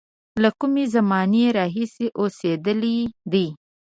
له کومې زمانې راهیسې اوسېدلی دی.